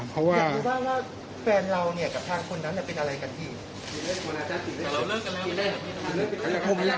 เพราะว่าแฟนเรากับทางคุณนั้นเป็นอะไรกันที่